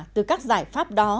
từ các giải pháp đo